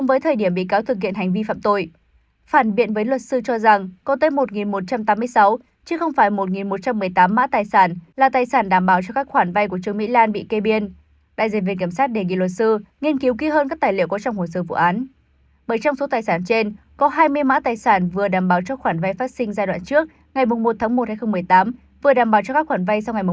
bởi trong số tài sản trên có hai mươi mã tài sản vừa đảm bảo cho khoản vay phát sinh giai đoạn trước ngày một một hai nghìn một mươi tám vừa đảm bảo cho các khoản vay sau ngày một một hai nghìn một mươi tám